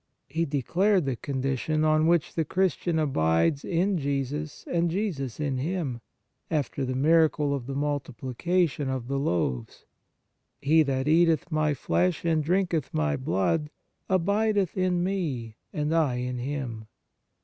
He de clared the condition, on which the Christian abides in Jesus and Jesus in him, after the miracle of the multipli cation of the loaves : "He that eateth My flesh, and drinketh My blood, abideth in Me, and I in him."